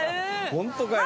本当かよ。